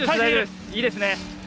いいですね。